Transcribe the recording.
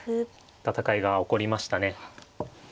戦いが起こりましたね。